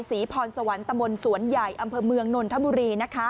ศรีพรสวรรค์ตะมนต์สวนใหญ่อำเภอเมืองนนทบุรี